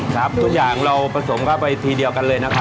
ครับทุกอย่างเราผสมเข้าไปทีเดียวกันเลยนะครับ